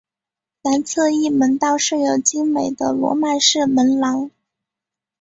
南侧翼门道设有精美的罗曼式门廊。